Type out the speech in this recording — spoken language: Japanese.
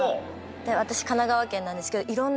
私神奈川県なんですけど。